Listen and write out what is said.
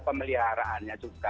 pembelian pemeliharaannya juga